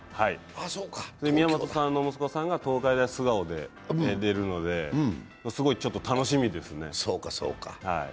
宮本さんの息子さんが東海大菅生で出るのですごい楽しみですね。